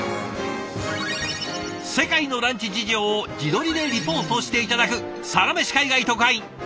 世界のランチ事情を自撮りでリポートして頂く「サラメシ海外特派員」。